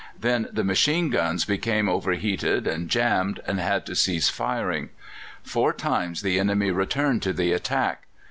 Then the machine guns became overheated and jammed, and had to cease firing. Four times the enemy returned to the attack.